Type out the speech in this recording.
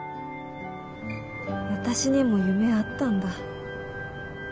私にも夢あったんだ。